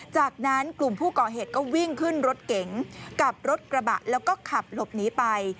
จากนั้นกลุ่มผู้ก่อเหตุก็วิ่งขึ้นรถเก๋งกับรถกระบะแล้วก็ขับหลบหนีไป